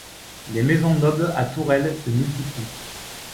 Les maisons nobles à tourelles se multiplient.